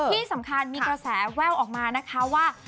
ที่สำคัญมีกระแสแว่วออกมานะคะว่า